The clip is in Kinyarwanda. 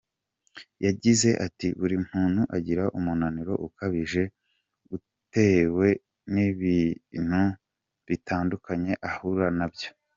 Yagize ati “Buri muntu agira umunaniro ukabije utewe n’ibintu bitandukanye ahura nabyo.